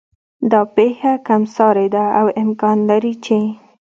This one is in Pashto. دا پېښه کم سارې ده او امکان لري چې